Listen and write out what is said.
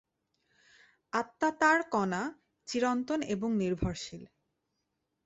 আত্মা তাঁর কণা, চিরন্তন এবং নির্ভরশীল।